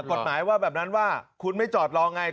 กฎหมายว่าแบบนั้นว่าคุณไม่จอดรอไง